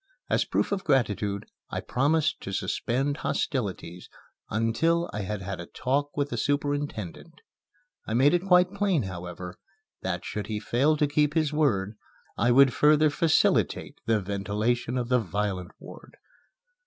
As proof of gratitude, I promised to suspend hostilities until I had had a talk with the superintendent. I made it quite plain, however, that should he fail to keep his word, I would further facilitate the ventilation of the violent ward.